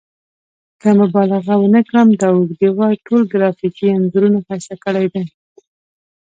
که مبالغه ونه کړم دا اوږد دیوال ټول ګرافیکي انځورونو ښایسته کړی دی.